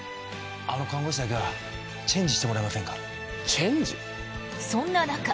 あの看護師だけはチェンジしてもらえませんか？